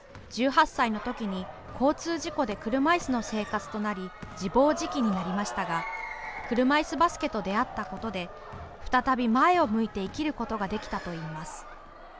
１８歳のときに、交通事故で車いすの生活となり自暴自棄になりましたが車いすバスケと出会ったことで再び前を向いて生きることができたといいます。